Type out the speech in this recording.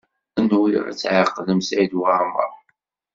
Nwiɣ ad tɛeqlem Saɛid Waɛmaṛ.